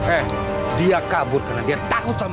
eh dia kabur karena dia takut sama